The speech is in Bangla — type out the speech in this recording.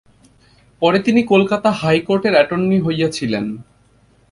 পরে তিনি কলিকাতা হাইকোর্টের এটর্নি হইয়াছিলেন।